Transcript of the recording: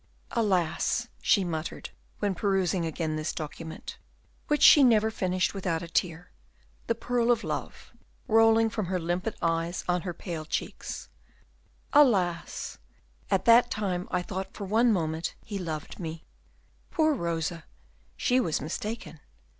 "Alas!" she muttered, when perusing again this document, which she never finished without a tear, the pearl of love, rolling from her limpid eyes on her pale cheeks "alas! at that time I thought for one moment he loved me." Poor Rosa! she was mistaken.